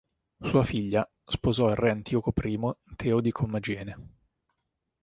Sua figlia sposò il re Antioco I Teo di Commagene.